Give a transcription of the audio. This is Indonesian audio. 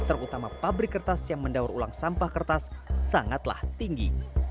terutama pabrik kertas yang mendaur ulang sampah kertas sangatlah tinggi